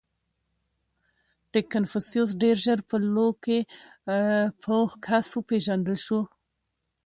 • کنفوسیوس ډېر ژر په لو کې پوه کس وپېژندل شو.